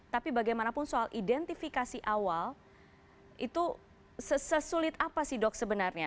tapi bagaimanapun soal identifikasi awal itu sesulit apa sih dok sebenarnya